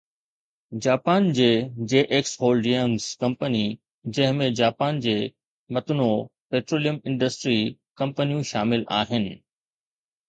Japan جي JX Hold Youngs company, جنهن ۾ Japan جي متنوع پيٽروليم انڊسٽري ڪمپنيون شامل آهن